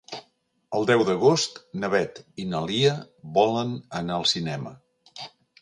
El deu d'agost na Beth i na Lia volen anar al cinema.